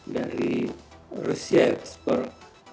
dari rusia expert